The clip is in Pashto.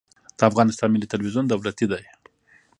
د افغانستان ملي تلویزیون دولتي دی